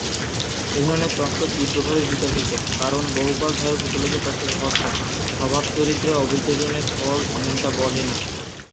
এই ধরনের তত্ত্ব তীব্রভাবে বিতর্কিত, কারণ বহুকাল ধরে প্রচলিত তত্ত্ব ধর্ষণ; স্বভাব-চরিত্রের অভিযোজনের ফল, এমনটা বলে না।